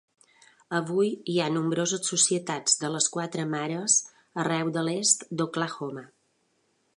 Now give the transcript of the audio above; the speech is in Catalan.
Avui hi ha nombroses Societats de les Quatre Mares arreu de l'est d'Oklahoma.